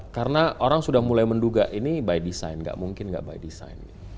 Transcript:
karena orang sudah mulai menduga ini by design nggak mungkin nggak by design